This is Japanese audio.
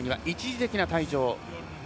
一時的な退場。